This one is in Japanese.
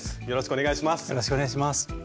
よろしくお願いします。